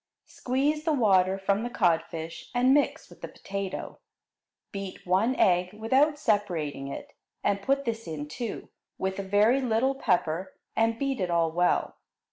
Squeeze the water from the codfish and mix with the potato. Beat one egg without separating it, and put this in, too, with a very little pepper, and beat it all well.